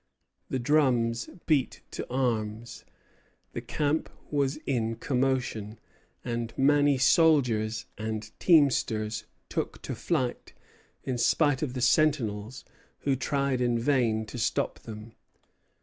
The drums beat to arms. The camp was in commotion; and many soldiers and teamsters took to flight, in spite of the sentinels, who tried in vain to stop them.